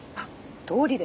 どうりで。